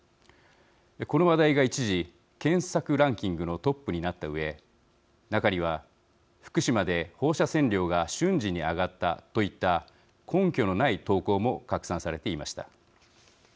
この話題が一時検索ランキングのトップになったうえ中には「福島で放射線量が瞬時に上がった」といった根拠のない投稿も拡散されていました。